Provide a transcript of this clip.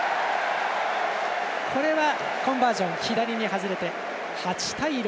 これはコンバージョン左に外れて８対６。